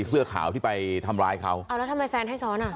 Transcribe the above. เสื้อขาวที่ไปทำร้ายเขาอ้าวแล้วทำไมแฟนให้ซ้อนอ่ะ